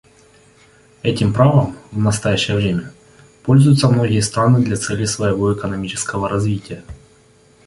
Этим правом в настоящее время пользуются многие страны для целей своего экономического развития.